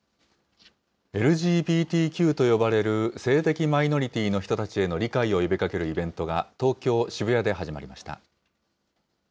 ＬＧＢＴＱと呼ばれる性的マイノリティーの人たちへの理解を呼びかけるイベントが、東京・渋谷で始まりました。